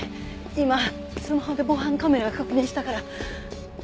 今スマホで防犯カメラ確認したから。